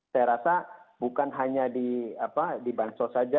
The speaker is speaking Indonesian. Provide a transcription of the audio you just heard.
saya rasa bukan hanya di bansos saja